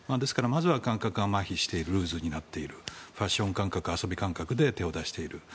感覚がまひしてルーズになっているファッション感覚、遊び感覚で手を出している。